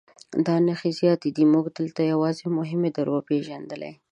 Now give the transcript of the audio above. دا نښې زیاتې دي موږ دلته یوازې مهمې در وپېژندلې.